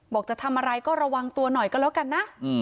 จะทำอะไรก็ระวังตัวหน่อยก็แล้วกันนะ